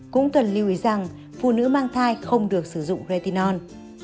cũng cần lưu ý rằng phụ nữ mang thai không được sử dụng retion